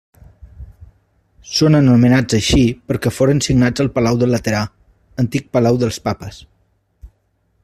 Són anomenats així perquè foren signats al Palau del Laterà, antic palau dels papes.